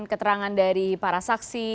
keterangan dari para saksi